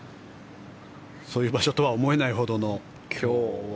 そういう場所とは思えないほどの今日は。